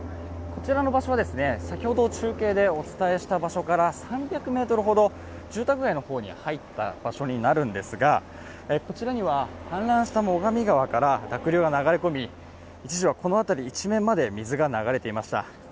こちらの場所は先ほど中継でお伝えした場所から３００ｍほど住宅街の方に入った場所になるんですが、こちらには、氾濫した最上川から濁流が流れ込み一時はこの辺り一面まで水が流れていました。